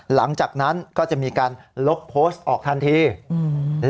หลังจากนั้นก็จะมีการลบโพสต์ออกทันทีอืม